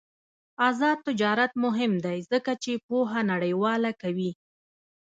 آزاد تجارت مهم دی ځکه چې پوهه نړیواله کوي.